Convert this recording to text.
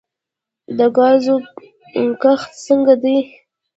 د ګازرو کښت څنګه دی؟